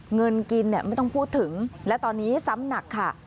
เงินกินไม่ต้องพูดถึงและตอนนี้ซ้ำหนักค่ะ